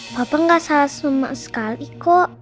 papa gak salah sama sekali kok